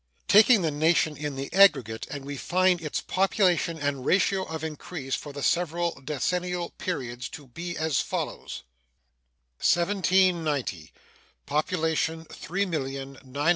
Taking the nation in the aggregate, and we find its population and ratio of increase for the several decennial periods to be as follows: Year Population Ratio of increase.